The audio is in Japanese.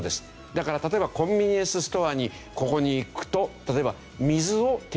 だから例えばコンビニエンスストアにここに行くと例えば水を提供してもらえる。